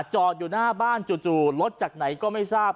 จอดอยู่หน้าบ้านจู่รถจากไหนก็ไม่ทราบ